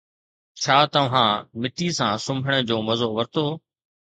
ڇا توهان مٽي سان سمهڻ جو مزو ورتو؟